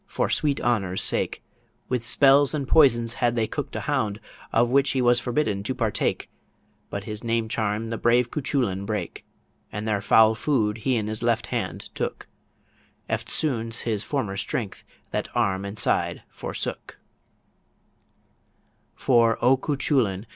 for sweet honour's sake With spells and poisons had they cook'd a hound, Of which he was forbidden to partake But his name charm the brave Cuchullin brake, And their foul food he in his left hand took Eftsoons his former strength that arm and side forsook For, O Cuchullin!